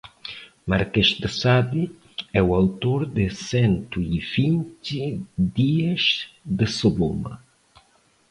Marquês de Sade é o autor de cento e vinte dias de sodoma